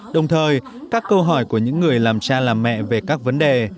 đồng thời các câu hỏi của những người làm cha làm mẹ về các vấn đề